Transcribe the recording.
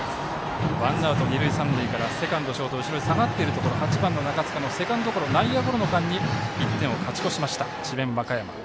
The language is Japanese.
ワンアウト、二塁三塁からセカンド、ショート後ろに下がっているところ中塚の内野ゴロの間に１点勝ち越しました、智弁和歌山。